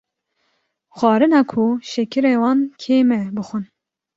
Xwarina ku şekîrên wan kêm e bixwin,.